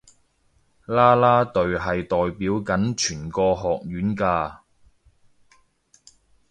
啦啦隊係代表緊全個學院㗎